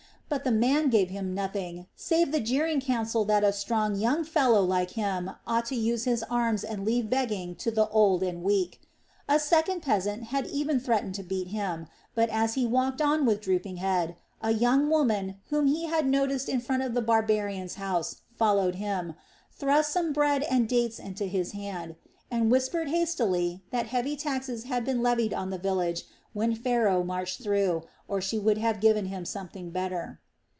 But the man gave him nothing save the jeering counsel that a strong young fellow like him ought to use his arms and leave begging to the old and weak. A second peasant had even threatened to beat him; but as he walked on with drooping bead, a young woman whom he had noticed in front of the barbarian's house followed him, thrust some bread and dates into his hand, and whispered hastily that heavy taxes had been levied on the village when Pharaoh marched through, or she would have given him something better.